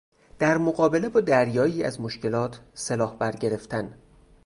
در مقابله با دریایی از مشکلات سلاح برگرفتن